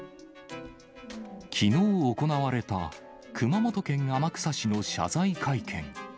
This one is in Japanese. きのう行われた熊本県天草市の謝罪会見。